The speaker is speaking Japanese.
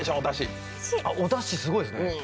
おだしすごいですね。